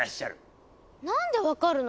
なんで分かるの？